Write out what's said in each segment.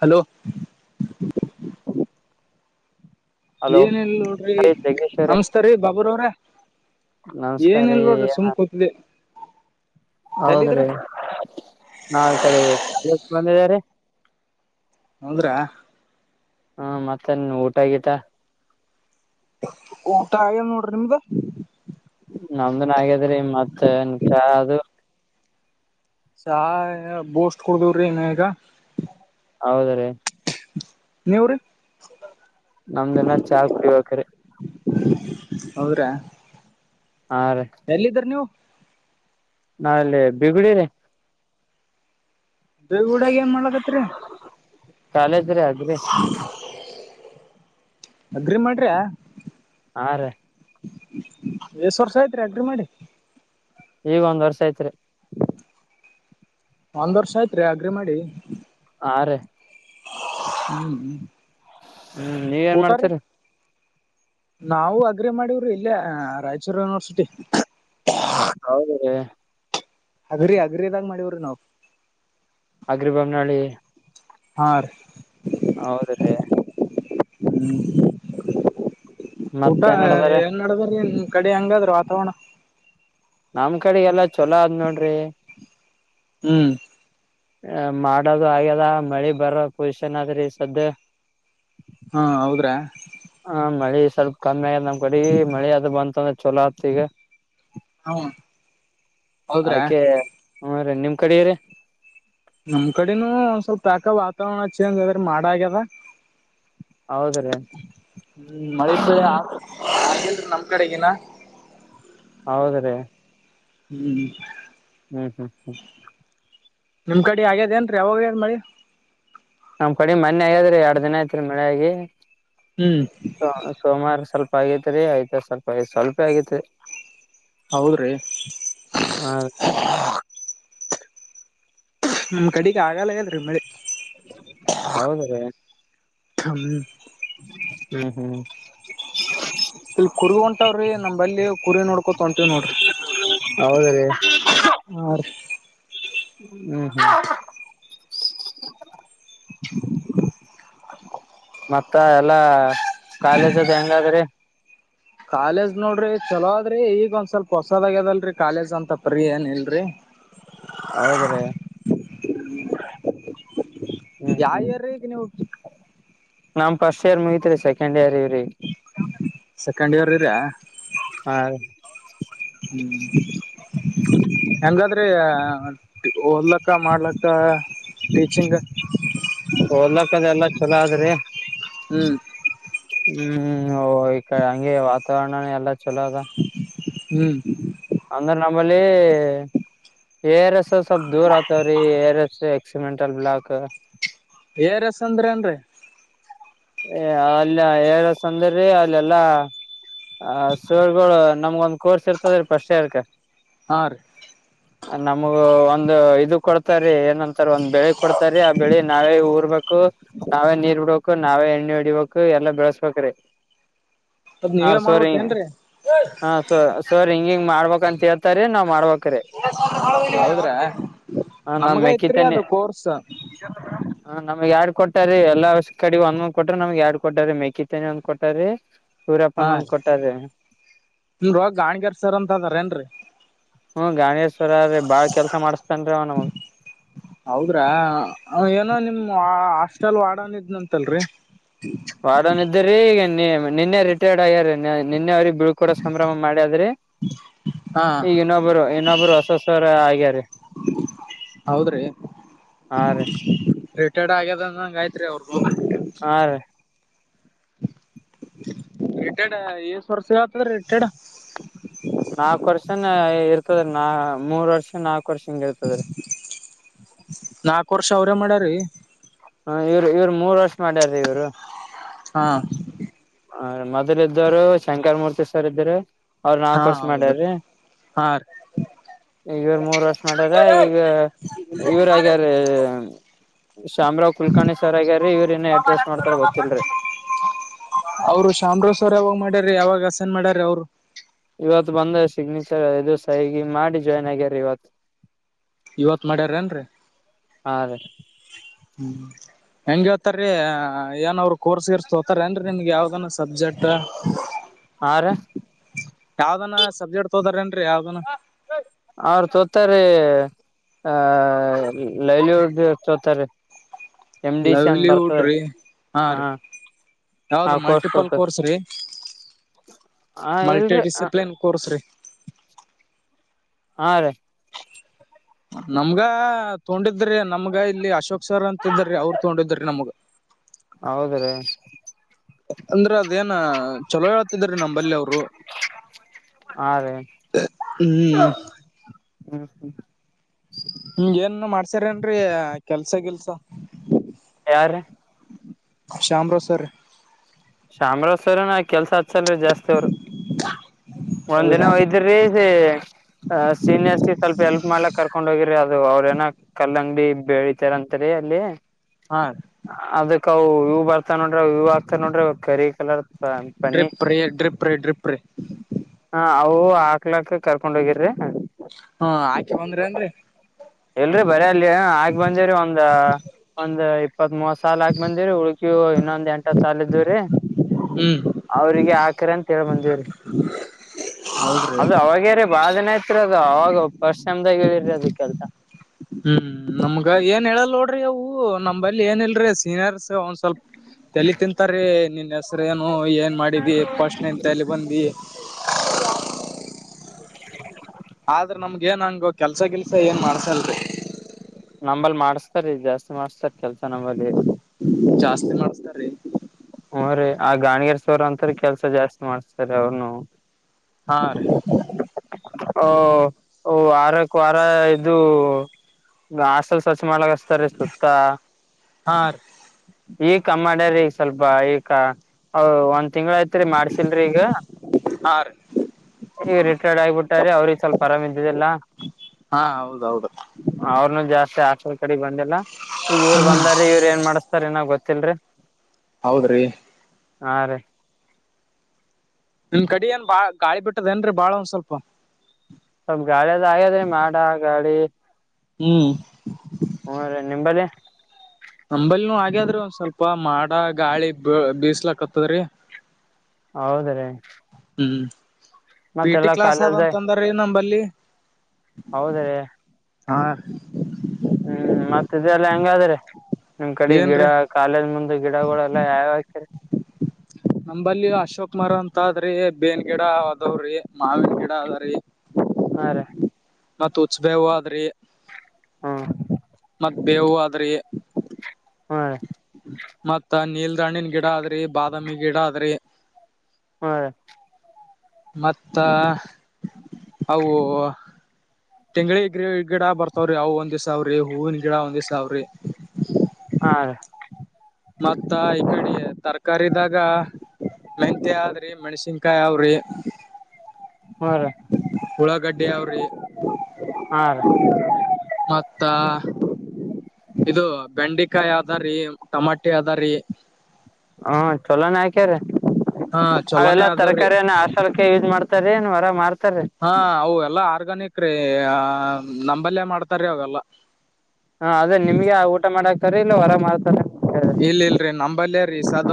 Hello. Hello ಏನಿಲ್ ನೋಡ್ರಿ ರೀ ಜಗದೀಶ್ವರ ನಮಸ್ತೇ ರೀ ಬಾಬುರವ್ರೆ. ನಮಸ್ಕಾರ ರೀ ಏನಿಲ್ ನೋಡ್ರಿ ಸುಮ್ ಕೂತಿದ್ದೆ. ಹೌದ್ರೀ ನಾಲ್ ಕಡೆ ಎಸ್ ಬಂದಿದಾರೆ. ಹೌದ್ರಾ. ಹಾ ಮತ್ತೇನ್ ನಿನ್ ಊಟ ಆಗೈತ. ಊಟ ಆಗಿಲ್ ನೋಡ್ರಿ ನಿಮ್ದು. ನಮ್ದೂನು ಆಗ್ಯಾದ್ರಿ ಮತ್ತೆನ್ ಚಾ ಅದು. ಚಾ ಬೂಸ್ಟ್ ಕುಡ್ದುವ್ರಿ ಇನ್ನ ಈಗ. ಹೌದ ರೀ. ನೀವು ರೀ. ನಮ್ದಿನ್ನ ಚಾ ಕುಡಿಬೇಕ್ರಿ. ಹೌರಾ ಹಾ ಎಲ್ಲಿದ್ದ್ರ ನೀವು ನಾವಲ್ಲಿ ಬಿಗುಡ ರ ದೇಗೂಡಾಗ ಏನ್ ಮಾಡ್ಲಕತ್ರಿ ಕಾಲೇಜ್ರೆ ಅದ್ರಿ ಅಗ್ರಿ ಮಾಡ್ರಿ ಹಾ ರೀ ಎಷ್ಟ ವರ್ಷ ಆಯ್ತ್ರಿ ಅಗ್ರಿ ಮಾಡಿ ಈಗ ಒಂದ್ ವರ್ಷ ಐತ್ರಿ ಒಂದ್ ವರ್ಷ ಆಯ್ತ್ರಿ ಅಗ್ರಿ ಮಾಡಿ ಹಾ ರ ಹ್ಮ್ ಹ್ಮ್ ಹ್ಮ್ ನೀವ ಏನ್ ಮಾಡ್ತೀರ ನಾವವು ಅಗ್ರೆ ಮಾಡಿವ್ರಿ ಇಲ್ಲೇ ರಾಯಚೂರು ಯೂನಿವರ್ಸಿಟಿ ಹೌದ ಅಗ್ರಿ ಅಗ್ರದಾಗ ಮಾಡವ್ರ ನಾವವು್ ಅಗ್ರಿಭಮ ನಳೆ ಹಾ ರೀ ಹೌದ್ರೀ ಹ್ಮ ಊಟ ಮತ್ತೇನ್ ನಡದದ್ರಿ ಏನ್ ನಡದ್ರಿನ್ ಕಡೆ ಹಂಗಾದ್ರೆ ವಾತಾವರಣ ನಮ್ ಕಡೆ ಎಲ್ಲಾ ಚೊಲೋ ಆದದ್ ನೋಡ್ರಿ ಹ್ಮ್ ಆ ಮಾಡದು ಆಗ್ಯದ ಮಳಿ ಬರ ಪಸಿಷನ್ ಅ ಆದ್ರಿ ಸ್ದ ಹಾ ಹೌದ್ರಾ ಹಾ ಮಳಿ ಸ್ವಲ್ಪ ಕಮ್ಮಿ ಆಗತ್ ನಮ್ ಕಡಿ ಮಳಿ ಅದ ಬಂತ ಅಂದ್ರೆ ಚೊಲೋ ಆತ್ ಈಗ ಹ್ಮ ಹೌದ್ರಾ ಅದಕ್ಕೆ ಹ್ಮ ರೀ ನಿಮ್ ಕಡೆ ರೀ ನಮ್ ಕಡೆನೂ ಒಂದ್ ಸ್ವಲ್ಪ ಯಾಕ ವಾತಾವರಣ ಚೇಂಜ್ ಅದೆ ಮಾಡ ಆಗ್ಯದ ಹೌದ್ರಿ ಹ್ಮ ಮಿ ಪಡೆೆ ಆ ನಮ್ಕಡೆಗನ ಹೌದ್ರೀ ಹ್ಮ್ ಹ್ಮ್ ಹ್ಮ್ ಹ್ಮ್ ನಿಮ್ ಕಡೆ ಹಾಗಗ್ಯದೇಏನ್ ರೀ ಯಾವಾಗ ಏನ್ ಮಾಡಿ ನಮ್ ಕಡೆ ಮನ್ೆ ಆಗ್ಯಾದ್ರಿ ಎರಡ್ ದಿನ ಐತ್ರಿ ಮಳೆ ಆಾಗಿಿ ಹ್ಮ್ ಸ ಸೋಮವಾರ ಸ್ವಲ್ಪ ಆಗೇತೆರಿ ಐದ ಸ್ವಲ್ಪ ಆಗ ಸ್ವಲ್ಪ ಆಗೇತಿ ಹೌದ್ರಿ ನಮ್ ಕಡೆಗೆ ಆಗಲ್ಲ ಏನ್ ರೀ ಮಳೆ ಹೌದ ರೀ ಹ್ಮ್ ಹ್ಮ್ ಹ್ಮ್ ಇಲ್ ಕುರಿ ಹೊಂಟಾವ್ರಿ ನಮಲ್ಲಿ ಕುರಿ ನೋಡ್ಕೊತ ಹೊಂಂತೇವ್ ನೋಡ್ರಿ ಹೌದ್ರಿ ಆ ಹ್ಮ್ ಹ್ಮ್ ಮತ್ತ ಎಲ್ಲಾ ಕಾಲೇಜದ ಹೆಂಗಾದ್ರಿ ಕಾಲೇಜ್ ನೋಡ್ರಿ ಚಲೋ ಅದ್ರಿ ಈಗ ಒಂದ್ ಸ್ವಲ್ಪ ಹೊಸದಾಗ್ಯದಲ್ರರಿ ಕಾಲೇಜ್ ಅಂತ ಪರಿಿ ಏನ್ ಇಲ್ರಿ ಹೌದ್ರಿ ಹ್ಮ್ ಯಾವ ಹ್ಮ್ ಯರಿಗ ನೀವು ನಮ್ ಸ್ಟ್ ಇಯ ಮುಗತ್ರಿ ಸೆಕಂಡ್ ಇಯರ್ ಇವ್ರಿ ಸೆಕೆಂಡ್ ಇಯರ್ ಇದರಯ ಹ ಹ್ಮ್ ಹೆಂಗಾದ್ರೆ ಓದ್ಲಕ್ಕ ಮಾಡ್ಲಕ್ಕ ಟೀಚಿಂಗ್ ಓದಲಕ್ಕಲ್ಲ ಎಲ್ಲ ಚೋಲ ಆದ್ರಿ ಹ ಹೂ ಈ ಹಂಗೆ ವಾತಾವರಣ ಎಲ್ಲಾ ಚಲೋ ಅದ ಹೂ ಅಂದ್ರೆ ನಮ್ಮಲ್ಲಿ ಏರ್ಸ್ ಸ್ವಲ್ ದೂರ ಆತವ್ರಿ ಏರ್ ಎಸ್ ಎಕ್ಸಿಮೆಂಟಲ್ ಬ್ಲಾಕ್ ತೇರೆಸೇಂದ್ರ ಏನ್ ರಿ ಏ ಅಲ್ಲ ಎಸಂದ್ರೀ ಅಲ್ಲೆಲ್ಲಾ ಆ ಸೋಳ್ಗ ನಮ್ಗ ಒಂದ್ ಕೋರ್ಸ್ ಇರ್ತದ್ರ ಫರ್ಸ್ಟ್ ಇಯರ್ ಕ ಆ ನಮಗ ಒಂದು ಇದು ಕೊಡ್ತಾರಿೀ ಏನಂತಾರ ಒಂದ್ ಬೆಳಿ ಕೊಡ್ತಾರಿ ಆ ಬೆಳಿ ನಾವೇ ಊರ್ಬೇಕು ನಾವೇ ನೀರ್ ಬಿಡ್ಬೇಕು ನಾವೇ ಎಣ್ಣೆ ಹೊಡಿಬೇಕು ಎಲ್ಲಾ ಬೆಳಸ್ಬೇಕ್ರೀ ಅದ್ ಹ ನೀವೇ ಸರಿ ಮಾಡ್ಬೇಕೇನ್ರಿ ಹ ಸ ಸರಿ ಹಿಂಗಿಂಗ ಮಾಡ್ಬೇಕ್ ಅಂತ ಹೇಳ್ತಾರೀ ನಾವ್ ಮಾಡ್ಬೇಕ್ರೀ ಹೌದ್ರ ನಮ್ ನಮ್ಗ ಐತ್ರಿ ಮೆಕ್ಕಿತೆನಿ ಅದು ಕೋರ್ಸ್ ಹ ನಮ್ಗ್ ಎಲ್ಡ್ ಕೊಟಾರಿೀ ಎಲ್ಲ ಕಡೆ ಒಂದಂದ್ ಕೊಟ್ರ ನಮಗ್ಗೆರಡ್ ಕೊಟ್ಟಾರಿ ಮೆೇಕ ತನೆಿ ಒಂದ್ ಕೊಟ್ಟಾರಿ ಸೂರ್ಯಪ್ಪನ ಒಂದ್ ಕೊಟ್ಟಾರೆ ನಿಮ ರೋಗ ಗ ಅಾಣಿಗಾರ್ ಸರ್ ಅಂತ ಅದಾರ ಏನ್ರರಿ ಹೂ ಗಾಣೇಶ್ವರ್ರೀ ಬಾಳ ಕೆಲ್ಸ ಮಾಡಸ್ತನ್ೀ ಅವನಮಗ್ ಹೌದ್ರಾ ಏನೋ ನಿಮ್ ಹಾಸ್ಟೆಲ್ ವಡನ್ ಇದ್ನಂತಲ್ರರಿ ವಡನ್ ಇದ್ದ್ರೀ ಈಗ ನೀ ನಿನ್ನೆ ರಿಟೈರ್ಡ್ ಆಗ್ಯಾರ ನಿನ್ನೆ ಅವ್ರಿಗೆ ಬಿೀಳ್ ಕೂಡ ಸಂಭ್ರಮ ಮಾಡ್ಯದ್ರಿ ಹಾ ಈಗ ಇನ್ನೊಬ್ಬರು ಇನ್ನೊಬ್ರು ಹೊಸಸರ ಆಗ್ಯಾರ ಹೌದ್ರಿ ಹಾ ರೀ ರಿಟರ್ನ್ಡ್ ಆಗ್ಯದಂಗ ಆಯತ್ರಿ ಅವ್ರು ಹಾ ರೀ ರಿಟೆಡ್ ಎಏಷ್ಟ ವರ್ಷ ಆತದ್ರ ರಿಟೆಡ್ ನಾಲ್ಕು ವರ್ಷನ ಇರ್ತದ ನಾ ಮೂರ್ ವರ್ಷ ನಾಕು ರ್ಷ ಹಿಂ ಇರ್ತದೆ್ರ ನಾಕ್ ವರ್ಷ ಅವ್ರೇ ಮಾಡ್ಯಾರಿ ಹ ಇವರು ಇವರು ಮೂರ್ ವರ್ಷ ಮಾಡ್ಯಾರೀ ಇವ್ರು ಹಾ ಹ ಮೊದಲು ಇದ್ದರು ಶಂಕರ ಮೂರ್ತಿ ಸರ್ ಇದ್ರು ಅವ್ರ ನಾಕು ಹಾ ವರ್ಷ ಹೌದು ಮಾಡ್ಯ್ರೀ ಹಾ ರೀ ಇವ್ರ ಮೂರ್ ವರ್ಷ ಮಾಡ್ಯಾರ ಈಗ ಇವ್ರಗ್ಯಾರ ಶ್ಯಾಮರಾವ್ ಕುಲ್ಕರ್ಣಿ ಸರ್ ಆಗ್ಯಾರೀ ಇವ್ರ ಏನ ವರ್ಷ ಮಾಡ್ತಾರ ಗೊತ್ತಿಲ್ರರಿ ಅವ್ರು ಚಂಬ್ರೇಶ್ವರ್ ಯಾವಾಗ ಮಾಡ್ಯಾರ ಯಾವಾಗ ಹಸನ್ ಮಾಡ್ಯಾರ ಅವ್ರು ಇವತ್ತು ಬಂದ ಸಿಗ್ನೇಚರ್ ಇದು ಸೈನ್ ಮಾಡಿ ಜಾಯ್ನ್ ಆಗ್ಯಾರ ಇವತ್ ಇವತ್ ಮಾಡ್ಯಾರ ನ್ರಿೀ ಹಾ ರೀ ಹೂ ಹೆಂಗೆ ಹೇಳ್ತೀರಿ ಏನ ಅವ್ರು ಕೋರ್ಸ್ ಗೀರ್ಸ್ ತೋಗೋತರೇನ್ರಿ ನಿಮಗೆ ಯಾವ್ದ ಸಬ್ಜೆಕ್ಟ್ ಹಾ ರೀ ಯಾವ್ದಾನ ಸಬ್ಜೆಕ್ಟ್ ತೋಗೊತ್ತಾರೆ ಅ ಅವ್ರ ತೊತರಿ ಆಹ ಲೈಲಿವುಡ್ ಚೋತಾರೆ ಲವ್ಲಿವುಡ್ ರೀ ಹಾ ರೀ ಹಾ ಯಾವ್ದ ಕೋರ್ಸ್ ಮಲ್ಟಿಪಲ್ ತೋತಾರಿ ಕೋರ್ಸ್ ರೀ ಹಾ ಮಲ್ಟಿ ಇಲ್ರಿ ಡಿಿಸಿಪ್ಲಿನ್ ಕೋರ್ಸ್ ಹಾ ರೀ ನಮ್ಗ ತೊಂಡಿದ್ರಿ ನಮ್ಗ ಇಲ್ಲಿ ಅಶೋಕ್ ಸರ್ ಅಂತಿದ್ರೀ ಅವರು ತೊಂಡಿದ್ರಿ ನಮ್ಗ ಹೌದ ರೀ ಅಂದ್ರ ಅದೇನ ಚಲೋ ಹೇಳ್ತಿದ್ರೀ ನಂಬಲ್ಲಿ ಅವರು ಹಾ ರೇ ಹ್ಮ್ಮ. ನಿಮ್ಗ ತ್ತ. [inaudible] ಯಾರಿ. ಶ್ಯಾಮರಾಜ್ ಸರ್ ರಿ. ಶಾಮರಾಜ್ ಸರ ಎನ್ ಕೆಲ್ಸ ಹಚ್ಛಲ್ಲ ಜಾಸ್ತಿ ಅವರು. ಒಂದಿನ ಹೌದ್ರಾ ಒಯ್ದ್ರಿ. ಅ ಸೀನಿಯರ್ಸ್ ಗಿ ಸ್ವಲ್ಪ ಎಲ್ಪ್ ಮಾಡ್ಲಕ್ ಕರ್ಕೊಂಡ್ ಹೋಗಿರಿ ಅದು ಅವ್ರಏನ ಕಲ್ಲಂಗಡಿ. ಬೆಳಿತಾರ ಅಂತರಿ ಅಲ್ಲಿ ಹಾ ಅದಕ್. ಅವು ಇವವು ಬರ್ತಾ ನೋಡ್ರಿ ಇವವು ಆಗ್ತ ನೋಡ್ರಿ ಕರಿ ಕಲರ್. ಪನ್ನಿ ಡ್ರಿಪ ರೇ ಡ್ರಿಪ ರ ಡ್ರಿಪ ರೆ. ನಾವು ಹಾಕ್ಲಾಕ ಕರ್ಕೊಂಡ್ ಹೋಗಿರ್ರಿ. ಹಾ ಹಾಕಿ ಬಂದ್ರಿ ಅನ್ರಿ. ಇಲ್ರಿ ಬರಿ ಅಲ್ಲಿ ಆಗ್ ಬಂದಿರಿ ಒಂದ. ಒಂದ್ ಇಪ್ಪತ್ ಮೂವತ್ ಸಾಲ ಆಗ್ ಬಂದಿರಿ ಉಳಿಕೆವು ಇನ್ನೊಂದ್ ಎಂಟತ್ ಸಾಲಲ್ ಇದವ್ರರಿ. ಹ್ಮ್ ಅವ್ರಿಗೆ ಹಾಕ್ರಿ ಅಂತ ಹೇಳೇ ಬಂದೇವ್ರಿ. ಹೌದ್ರಿ ಅದ ಅವಾಗ್ಯಾರೀ ಬಾಳ್ ದಿನ ಇತ್ರಿ ಅದು ಅವಾಗ ಪಶ್ಮ್ದಾಗ ಹೇಳಿರಿ ಅದ ಕೆಲ್ಸ. ಹ್ಮ್ ನಮ್ಗ ಏನ್ ಹೇಳಲ್ ಸಿನರ್ಸ ಅವನ್ ಸ್ವಲ್ಪ. ತಲಿ ತಿಂತಾರೀ ನಿನ್ ಹೆಸ್ರೇನು ಏನ್ ಮಾಡಿದಿ ಪಶಟ್ನೆನ್ ಇಂತ ಎಲ್ಲಿ ಬಂದಿದಿ. ಆದ್ರ ನಮ್ಗ ಏನ್ ಹಂಗು ಕೆಲ್ಸ ಗಿಲ್ಸ ಏನ್ ಮಾಡಸಲ್ರಿ. ನಂಬಲ್ಲಿ ಮಾಡಸ್ತಾರಿ ಜಾಸ್ತಿ ಮಾಡ್ಸ್ತಾರ ಕೆಲ್ಸ ನಂಬಲ್ಲಿ. ಜಾಸ್ತಿ ಮಾಡಸ್ತಾರಿ. ಹೂ ರೀ ಆ ಗಾಣಿಗರ್ಸ ಅವರ್ ಅಂತಾರ ಕೆಲ್ಸ ಜಾಸ್ತಿ ಮಾಡ್ಸ್ತಾರೆ ಅವರುನು ಹಾ ರಿ. ಓ ವಾರ್ರಕ್ ವಾರ ಇದು. ಹಾಸ್ಟೆಲ್ ಸ್ವಚ್ಛ ಮಾಡಗಸ್ತಾರೀ ಸುತ್ತ. ಹಾ ರೀ ಈ ಕಮ್ಮಾಡ್ಯಾರ ಈಗ ಸ್ವಲ್ಪ ಈ ಒಂದ್ ತಿಂಗಳ ಆಯ್ತು. ಒಂದ್ ತಿಂಗಳ ಆಯ್ತಿ ರಿ ಮಾಡ್ಸಲ್ರಿ ಈಗ. ಹಾ ರೀ ಈಗ ರಿಟೈರ್ಡ್ ಆಗಿಬಿಟ್ಟಾರೆ ಅವ್ರಿಗೆ ಸ್ವಲ್ಪ ಆರಾಮ ಇದಿದ್ದಿಲ್ಲ. ಹಾ ಹೌದೌದು. ಜಾಸ್ತಿ ಹಾಸ್ಟೆಲ್ ಕಡೆಗ್ ಬಂದಿಲ್ಲಾ ಈಗ ಇವ್ರು ಬಂದಾರ ಇವ್ರು ಏನ್ ಮಾಡಸ್ತಾರ ನ ಗೊತ್ತಿಲ್ರಿ. ಹೌದ್ರಿ. ಹಾ ರೀ. ನಿಮ ಕಡ ಏನ್ ಬಾಳ್ ಗಾಳಿ ಬಿಟ್ಟದೇಏನ್ರರಿ ಬಾಳ ಒಂದ್ ಸ್ವಲ್ಪ. ಸ್ವಲ್ಪ ಗಾಳಿಯದ ಆಗ ರ ಮಾಡ ಗಾಳಿ. ಹ್ಮ್. ಹ್ಮ ರೀ ನಿಂಬಲ್ಲಿ. ನಂಬಲ್ನೂ ಹಾಗ್ಯದ್ರ ಒಂದ್ ಸ್ವಲ್ಪ ಮಾಡ ಗಾಳಿ ಬೀಸ್ಲಕತ್ತದ್ರಿ. ಹೌದ ರೀ. ಹ್ಮ್ ಪಿ ಟಿ ಕ್ಲಾಸ್ ಆದಂತಂದ್ರೀ ನಂಬಲ್ಲಿ. ಹೌದ ರೀ. ಹಾ. ಹ್ಮ್ ಮತ್ತ ಇದೆಲ್ಲ ಹೆಂಗಾದ್ರೆ ನಿಮ್ ಕಡೆ ಗಿಡ ಏನ್ರೀ ಕಾಲೇಜ್ ಮುಂದೆ. ಗಿಡಗಳೆಲ್ಲ ಯಾವವು ಹಾಕಿರಿ. ಈಗ ಅಶೋಕ ಮರ ಅಂತ ಅದ್ರಿ ಬೇನ್ ಗಿಡ ಅದವ್ರಿ ಮಾವನ್ ಗಿಡ ಅದ್ರೀ. ಹಾ ರೀ. ಮತ್ ಉಚ್ಬೇವು ಆದ್ರಿ. ಹಾ. ಮತ್ ಬೇವು ಆದ್ರಿ. ಹಾ. ಮತ್ತ ನೀಲ್ದಾಹಣ್ಣು ಗಿಡ ಆದ್ರಿ ಬಾದಾಮಿ ಗಿಡ ಆದ್ರಿ. ಹ್ಮ ಮತ್ತ ಅವು ತಿಂಗಗಳಿ ಗಿ ಗಿಡ ಬರ್ತಾವ್ರಿ ಯಾವವು ಒಂದ್ ಸಾವ್ರಿ ಹೂವಿನ ಗಿಡ ಒಂದೇ್ ಸಾವ್ರಿ ಹಾದ ಮತ್ತ ಈ ಕಡೆ ತರಕಾರಿದಾಗ ಮೆಹಂತಿ ಆದ್ರಿ ಮೆಣಸಿನ್ಕಾಯಿ ಅವಾವ್ರಿ ಹ್ಮ್ ರೀ ಹಳಾಗಡ್ಡೆ ಅವ್ರಿ ಹಾ ರೀ ಮತ್ತ ಇದು ಬೆಂಡೆಕಾಯಿ ಅದಾರೀ ಟಮಾಟೆ ಅದಾರಿ ಹ್ಮ ಚಲೋನ ಹಾಕ್ಯ್ರ ಹಾ ಅವೆಲ್ಲ ಚೊಲೋನೇ ಅದಾವ್ರಿ ತರಕಾರಿಯನ್ನ ಹಸಲ್ಕ ಯೂಸ್ ಮಾಡ್ತ ರೇನ್ರ ಮ್ತ ಹಾ ಅವ ಎಲ್ಲಾ ಆರ್ಗಾನಿಕ್ ರೀ ನಂಬಲ್ಯ ಮಾಡ್ತಾರೀ ಅವೆಲ್ಲಾ ಹಾ ಅದೇ ನಿಮ್ಗೆ ಊಟ ಮಾಡಾಕ್ತಾರೆ ಇಲ್ಲ ಹೊರ ಮಾಡ್ತಾರೆ ಬಲ್ ರೀ ಸದ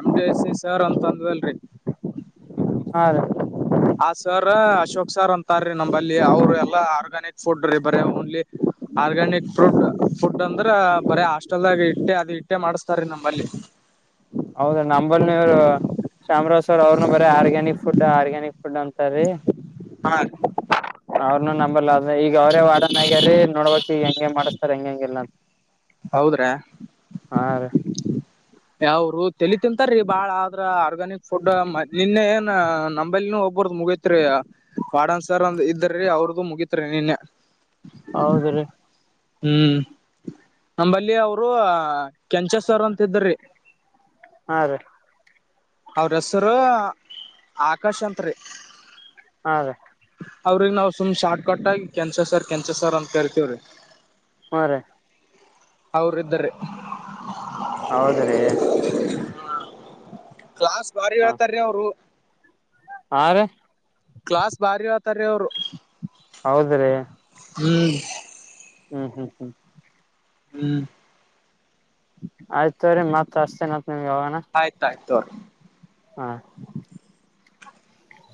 ಎಮ ಸಿ ಸರ್ ಅಂತಂದ್ವಲ್ರಿ ಹಾ ರೀ ಆ ಸರ್ ಅಶೋಕ್ ಸರ್ ಅಂತಾರೀ ನಂಬಲ್ಲಿ ಅವರು ಎಲ್ಲಾ ಆರ್ಗ್ಯಾನಿಕ್ ಫುಡ್ ಬರ ನ್ಲಿ ಆರ್ಗ್ಯಾನಿಕ್ ಫುಡ್ ಫುಡ್ ಅಂದ್ರ ಬರ ಹಾಸ್ಟೆಲ್ದಾಗ ಇಟ್ಟೆ ಅದು ಇಟ್ಟೆ ಮಾಡ್ಸ್ ಸರಿ ನಂಬಲ್ಲಿ ಹೌದ ನಂಬಲ್ಲಿನವರು ಚಾಮರಾವಾಜ್ ಅವರು ಅವ್ರನು ಬರ ಆಗ ಫುಡ್ ಆರ್ಗ್ಯಾನಿಕ್ ಫುಡ್ ಅಂತ ರೀ ಹಾ ರೀ ಅವ್ನುೂ ನಂಬಲ್ಲ ಈಗ ಅವರೇ ವಡನ್ಗ್ಯಾರಿ ನೋಡ್ಬಕ್ ಈ ಹೆಂಗಗೆ ಮಾಡತರ್ ಹೆಂಗ ಹೆಂಗ ಇಲ್ಲ ಅಂತ ಹೌದ್ರಾ ಹಾ ರೀ ಯಾವರು ತಿಳ ತಿಂತಾರೀ ಬಾಳ ಆದ್ರ ಆರ್ಗ್ಯಾನಿಕ್ ಫುಡ್ ನಿನ್ನೆನ್ ನಂಬಲ್ ಒೋಗ ಒಬ್ರದ ಮುಗತ್ರಿ ಕಾಡನ್ಸರ್ ಅಂದ್ ಇದ್ದ್ರೀ ಅವ್ರದದುು ಮುಗತ್ರಿ ನಿನ್ನೆ ಹೌದ್ರಿ ಹ್ಮ್ ನಂಬಲ್ಲಿ ಅವರು ಕೆಂಚಸ್ವರ್ ಅಂತಿದ್ರಿ ಹಾ ರೀ ಅವ್ರ ಹೆಸರು ಆಕಾಶ್ ಅಂತ್ರಿ ಹಾದೇ ಅವ್ರಗ್ ನಾವವು ಸುಮ್ ಶಾರ್ಟ್ ಕಟ್ಗಿ ಕೆನ್ಸ ಸರ್ ಕೆನ್ಸ ಸರ್ ಅಂತ ಕೇರ್ತವ್ರಿ ಹಾ ರ ಅವರು ಇದ್ದಾರೆ ಹೌದ್ರೀ ಕ್ಲಾಸ್ ಬಾರಿ ಹೇಳ್ತಾರೀ ಅವ್ರು ಹಾ ರ ಕ್ಲಾಸ್ ಬಾರಿ ಆತಾರೀ ಅವರು ಹೌದ್ರೀ ಹ್ ಹ್ಮ್ ಹ್ಮ್ ಹ್ಮ್ ಹ್ಮ್ ಆಯ್ತ್ರೀ ಮತ್ ಅಷ್ಟತೇನ ಆಯ್ತಾಯ್ತು ನೋ ಹಾ ಹ